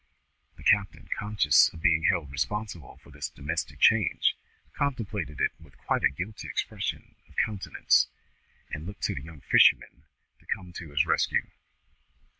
The captain, conscious of being held responsible for this domestic change, contemplated it with quite a guilty expression of countenance, and looked to the young fisherman to come to his rescue.